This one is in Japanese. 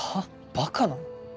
バカなの？